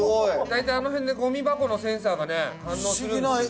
大体あの辺でゴミ箱のセンサーがね反応するんですけど。